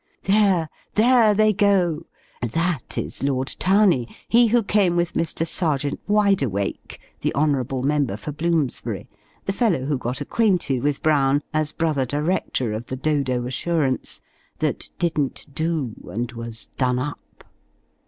There, there they go! that is Lord Towney he who came with Mr. Serjeant Wideawake, the Honourable Member for Bloomsbury the fellow who got acquainted with Brown, as brother director of the "Dodo Assurance," that didn't do, and was done up.